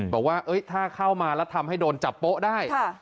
บอกว่าถ้าเข้ามาแล้วทำให้โดนจับโป๊ะได้